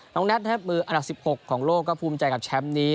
แน็ตนะครับมืออันดับ๑๖ของโลกก็ภูมิใจกับแชมป์นี้